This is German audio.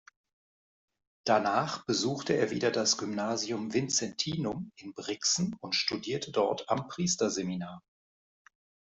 Danach besuchte er wieder das Gymnasium Vinzentinum in Brixen und studierte dort am Priesterseminar.